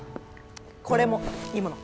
これもいいもの。